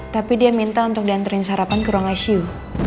tapi dia minta untuk diantarin sarapan ke ruang icu